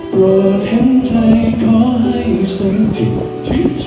โปรดเห็นใจขอให้สังทิศพิเศษ